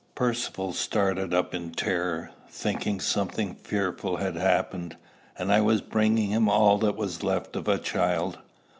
Percivale started up in terror, thinking something fearful had happened, and I was bringing him all that was left of the child.